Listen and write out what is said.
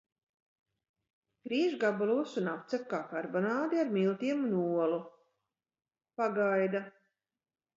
Griež gabalos un apcep kā karbonādi ar miltiem un olu. Pagaida.